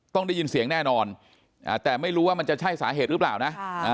ต้องได้ยินเสียงแน่นอนอ่าแต่ไม่รู้ว่ามันจะใช่สาเหตุหรือเปล่านะ